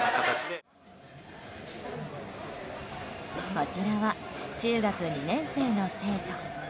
こちらは、中学２年生の生徒。